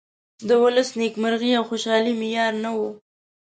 د ولس نیمکرغي او خوشالي معیار نه ؤ.